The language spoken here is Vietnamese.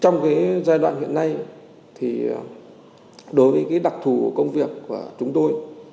trong cái giai đoạn hiện nay thì đối với cái đặc thù của công việc của chúng tôi